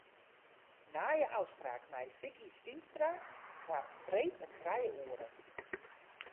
Nije ôfspraak mei Vicky Stienstra foar freed om trije oere.